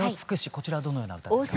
こちらはどのような歌ですか？